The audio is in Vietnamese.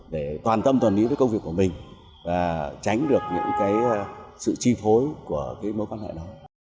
để toàn tâm toàn ý với công việc của mình và tránh được những sự chi phối của mối quan hệ đó